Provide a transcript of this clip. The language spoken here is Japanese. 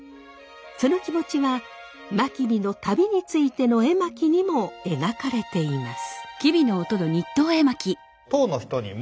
その気持ちは真備の旅についての絵巻にも描かれています。